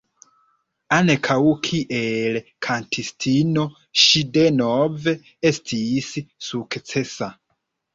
Ankaŭ kiel kantistino ŝi denove estis sukcesa.